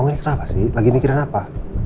kamu ini kenapa sih lagi mikirin apa